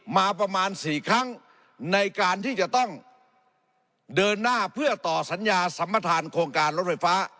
มาประมาณ๔ครั้งในการที่จะต้องเดินหน้าเพื่อต่อสัญญาสัมประธานโครงการรถไฟฟ้า